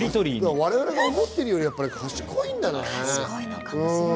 我々が思っているより賢いんだね。